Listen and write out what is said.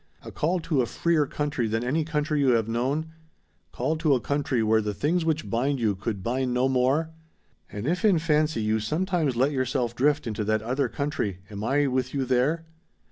A call to a freer country than any country you have known? Call to a country where the things which bind you could bind no more? And if in fancy you sometimes let yourself drift into that other country, am I with you there?